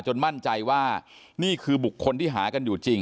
มั่นใจว่านี่คือบุคคลที่หากันอยู่จริง